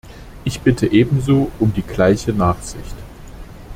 Ich bitte ebenso um die gleiche Nachsicht.